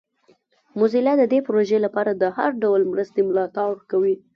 موزیلا د دې پروژې لپاره د هر ډول مرستې ملاتړ کوي.